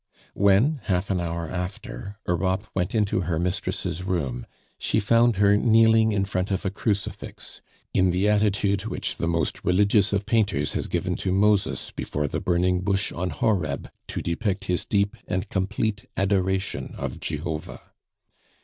When, half an hour after, Europe went into her mistress' room, she found her kneeling in front of a crucifix, in the attitude which the most religious of painters has given to Moses before the burning bush on Horeb, to depict his deep and complete adoration of Jehovah.